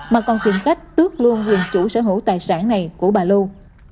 mà còn khiến khách tước luôn quyền chủ sở hữu tài sản này của bà lưu